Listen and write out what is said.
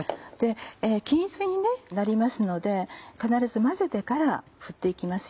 均一になりますので必ず混ぜてから振っていきます。